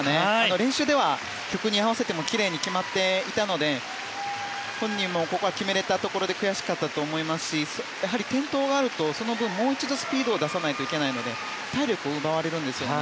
練習では曲に合わせてもきれいに決まっていたので本人もここは決められたところで悔しかったと思いますし転倒があるとその後もう一度スピードを出さないといけないので体力を奪われるんですよね。